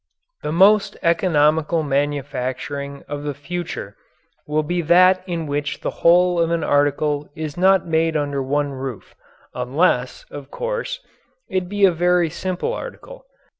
The most economical manufacturing of the future will be that in which the whole of an article is not made under one roof unless, of course, it be a very simple article.